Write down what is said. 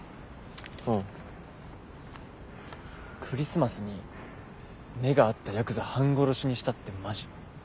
クリスマスに目が合ったヤクザ半殺しにしたってマジ？